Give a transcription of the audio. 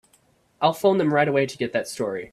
I'll phone them right away to get that story.